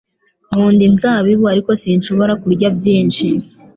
Nkunda inzabibu ariko sinshobora kurya byinshi